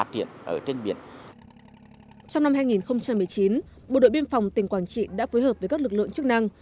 trong năm hai nghìn một mươi chín bộ đội biên phòng tỉnh quảng trị đã phối hợp với các lực lượng chức năng